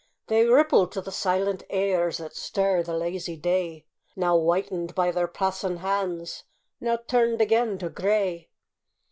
They ripple to the silent airs That stir the lazy day, Now whitened by their passing hands, Now turned again to grey.